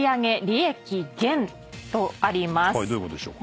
どういうことでしょう？